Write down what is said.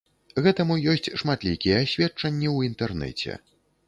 Гэтаму ёсць шматлікія сведчанні ў інтэрнэце.